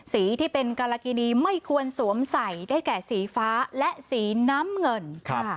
สีที่เป็นการากินีไม่ควรสวมใส่ได้แก่สีฟ้าและสีน้ำเงิน